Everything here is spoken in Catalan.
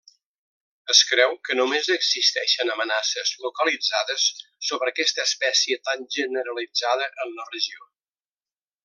Es creu que només existeixen amenaces localitzades sobre aquesta espècie tan generalitzada en la regió.